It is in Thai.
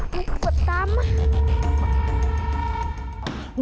ปวดตามาก